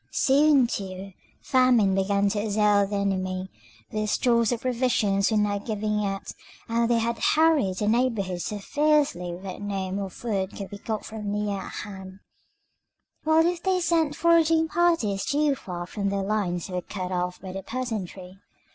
Soon, too, famine began to assail the enemy; their stores of provisions were now giving out, and they had harried the neighbourhood so fiercely that no more food could be got from near at hand, while if they sent foraging parties too far from their lines they were cut off by the peasantry.